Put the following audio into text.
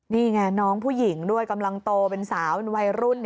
นี่ไงน้องผู้หญิงด้วยกำลังโตเป็นสาวเป็นวัยรุ่น